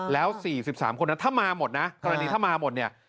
แล้ว๔๓คนถ้ามาหมดนะตอนนี้ถ้ามาหมดเนี่ย